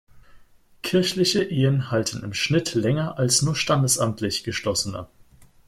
Kirchliche Ehen halten im Schnitt länger als nur standesamtlich geschlossene.